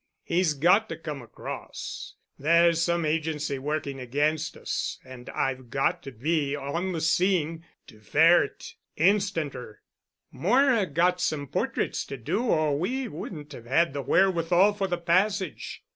He's got to 'come across.' There's some agency working against us—and I've got to be on the scene to ferret—instanter. Moira got some portraits to do or we wouldn't have had the wherewithal for the passage.